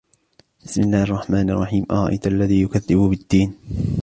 بِسْمِ اللَّهِ الرَّحْمَنِ الرَّحِيمِ أَرَأَيْتَ الَّذِي يُكَذِّبُ بِالدِّينِ